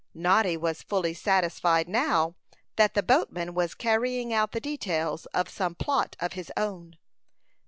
Noddy was fully satisfied now that the boatman was carrying out the details of some plot of his own.